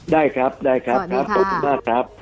ได้ครับได้ครับ